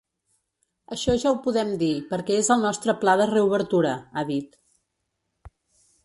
“Això ja ho podem dir perquè és al nostre pla de reobertura”, ha dit.